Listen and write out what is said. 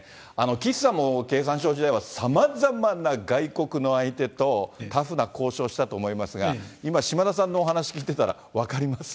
岸さんも経産省時代はさまざまな外国の相手と、タフな交渉したと思いますが、今、島田さんのお話聞いてたら、分かります？